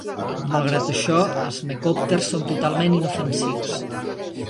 Malgrat això, els mecòpters són totalment inofensius.